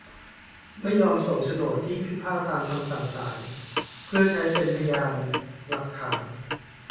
ไม่ยอมส่งโฉนดที่พิพาทตามคำสั่งศาล เพื่อใช้เป็นพยานหลักฐาน